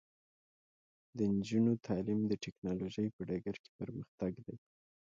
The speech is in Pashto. د نجونو تعلیم د ټیکنالوژۍ په ډګر کې پرمختګ دی.